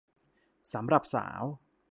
สำหรับสาว